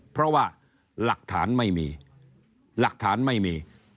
เพราะว่าหลักฐานไม่มีหลักฐานไม่มี